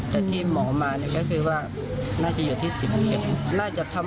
แต่ที่หมอมานี่ก็คือว่าน่าจะอยู่ที่๑๐เข็ม